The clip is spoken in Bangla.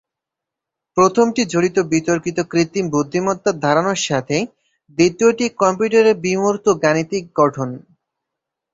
প্রথমটি জড়িত বিতর্কিত কৃত্রিম বুদ্ধিমত্তা ধারণার সাথে, দ্বিতীয়টি হচ্ছে কম্পিউটারের বিমূর্ত গাণিতিক গঠন।